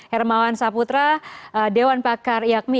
hermawan saputra dewan pakar iakmi